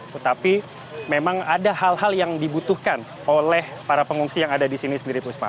tetapi memang ada hal hal yang dibutuhkan oleh para pengungsi yang ada di sini sendiri puspa